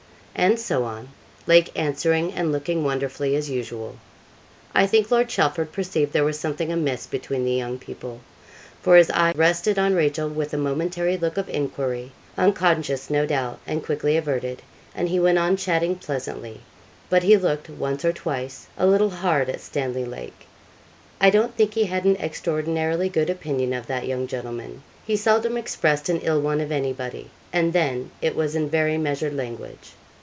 And so on Lake answering and looking wonderfully as usual. I think Lord Chelford perceived there was something amiss between the young people, for his eye rested on Rachel with a momentary look of enquiry, unconscious, no doubt, and quickly averted, and he went on chatting pleasantly; but he looked, once or twice, a little hard at Stanley Lake. I don't think he had an extraordinarily good opinion of that young gentleman. He seldom expressed an ill one of anybody, and then it was in very measured language.